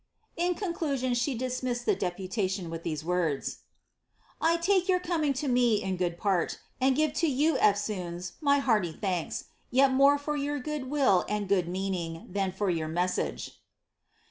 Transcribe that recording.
'" In conclusion, she dismissed the deputation with these words :—" I take your coming to me in good part, and give to you eOsoons my hearty thanks, yet more for your good will and good meaning than for your message."